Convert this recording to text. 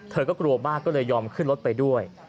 เธอก็กลัวบ้ายอมขึ้นรถไปด้วย